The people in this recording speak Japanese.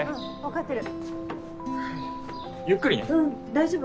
大丈夫？